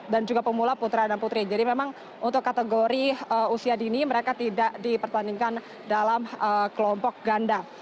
dan juga pemula putra dan putri jadi memang untuk kategori usia dini mereka tidak dipertandingkan dalam kelompok ganda